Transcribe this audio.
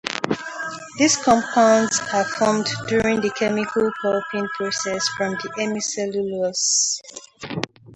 These compounds are formed during the chemical pulping process, from the hemicelluloses.